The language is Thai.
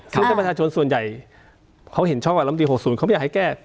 ซึ่งถ้าประชาชนส่วนใหญ่เขาเห็นชอบกับลำตี๖๐เขาไม่อยากให้แก้